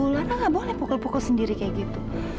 lara nggak boleh pukul pukul sendiri kayak gitu